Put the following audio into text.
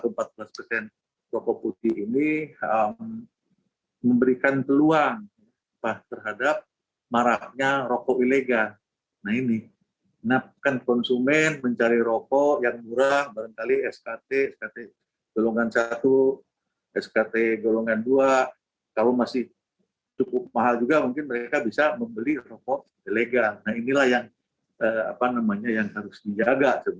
mungkin mereka bisa membeli rokok ilegal nah inilah yang harus dijaga